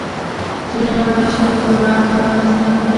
څېړنه وايي چې لږ خوراک هم اغېزناکه دی.